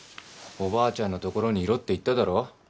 おばあちゃんのところにいろって言っただろ？